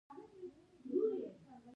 تاریخ د پښو غوړې خاڼې لري.